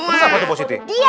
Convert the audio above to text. itu apa tuh positifnya